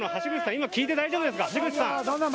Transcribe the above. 今、聞いて大丈夫ですか。